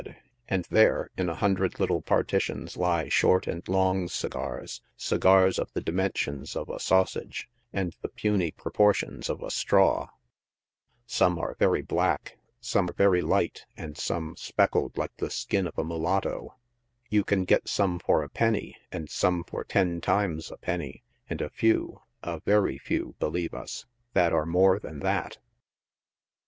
55 hot bod, and there in a hundred little partitions lie short and long segars, segars of the dimensions of a sausage and the puny propor tions of a straw, some arc very black, some very light and some speckled like the skin of a mulatto 5 you can get some for a penny and some for ten times a penny, and* a few, a very few, believe us, that, are more than that.